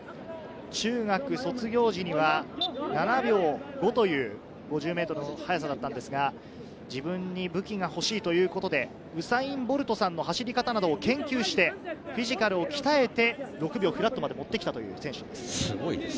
中学卒業時には７秒５という５０ｍの速さだったんですが、自分に武器が欲しいということでウサイン・ボルトさんの走り方などを研究して、フィジカルを鍛えて、６秒フラットまで持ってきたすごいですね。